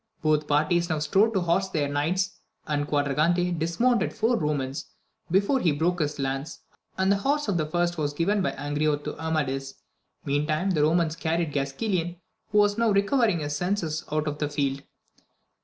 Both parties now strove to horse their knights, and Quadragante dismounted four Romans before he broke his lance, and the horse of the first was given by Angriote to Amadis ; mean time the Romans carried Gasquilan, who was now recovering his senses, out of the field.